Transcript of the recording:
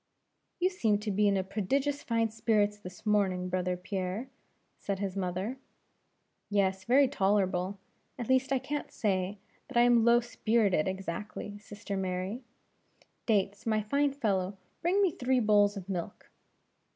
"You seem to be in prodigious fine spirits this morning, brother Pierre," said his mother. "Yes, very tolerable; at least I can't say, that I am low spirited exactly, sister Mary; Dates, my fine fellow, bring me three bowls of milk."